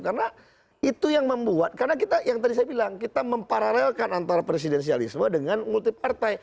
karena itu yang membuat karena kita yang tadi saya bilang kita mempararelkan antar presidensialisme dengan multi partai